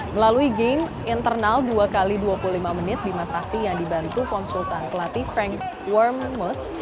melalui game internal dua x dua puluh lima menit bima sakti yang dibantu konsultan pelatih frank wormmuth